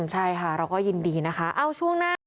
ใช่ค่ะเราก็ยินดีนะคะเอ้าช่วงหน้า